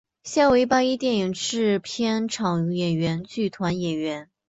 现为八一电影制片厂演员剧团演员。